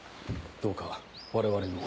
どうか我々も。